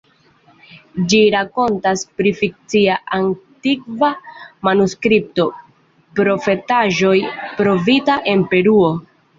Ĝi rakontas pri fikcia antikva manuskripto, profetaĵo trovita en Peruo.